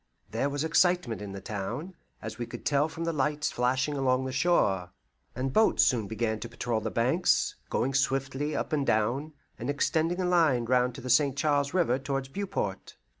There was excitement in the town, as we could tell from the lights flashing along the shore, and boats soon began to patrol the banks, going swiftly up and down, and extending a line round to the St. Charles River towards Beauport.